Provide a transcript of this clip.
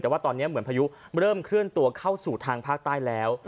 แต่ว่าตอนนี้เหมือนพายุเริ่มเคลื่อนตัวเข้าสู่ทางภาคใต้แล้ว